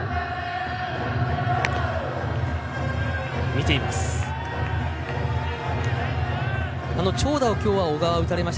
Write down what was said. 見ています。